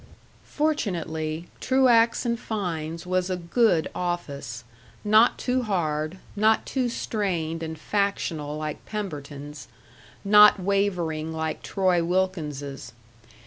Fortunately, Truax & Fein's was a good office, not too hard, not too strained and factional like Pemberton's; not wavering like Troy Wilkins's.